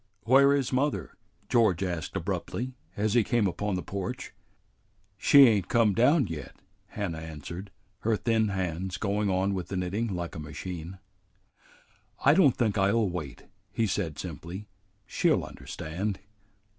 "Where is mother?" George asked abruptly, as he came upon the porch. "She ain't come down yet," Hannah answered, her thin hands going on with the knitting like a machine. "I don't think I'll wait," he said simply. "She'll understand."